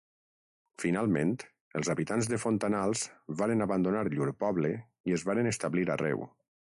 Finalment els habitants de Fontanals varen abandonar llur poble i es varen establir arreu.